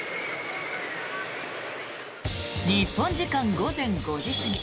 日本時間午前５時過ぎ。